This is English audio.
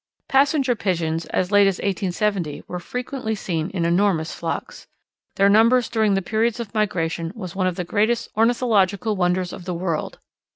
Passenger Pigeons as late as 1870 were frequently seen in enormous flocks. Their numbers during the periods of migration was one of the greatest ornithological wonders of the world.